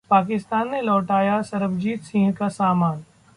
पाकिस्तान ने लौटाया सरबजीत सिंह का सामान